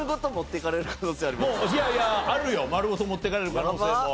いやいやあるよ丸ごと持っていかれる可能性も。